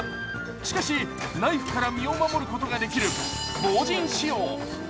しかし、ナイフから身を守ることができる防刃仕様。